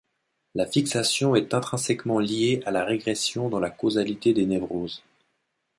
La fixation est intrinsèquement liée à la régression dans la causalité des névroses.